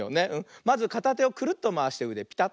まずかたてをクルッとまわしてうでピタッ。